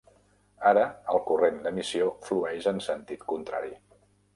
Ara, el corrent d'emissió flueix en sentit contrari.